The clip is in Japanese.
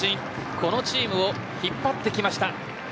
このチームを引っ張ってきました。